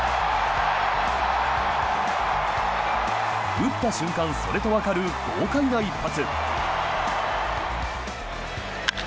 打った瞬間それとわかる豪快な一発。